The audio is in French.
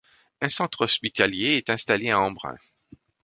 Un centre hospitalier est installé à Embrun.